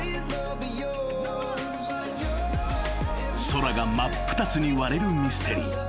［空が真っ二つに割れるミステリー］